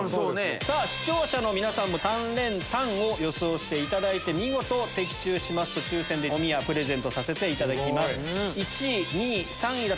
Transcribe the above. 視聴者の皆さんも３連単を予想していただいて見事的中しますと抽選でおみやプレゼントさせていただきます。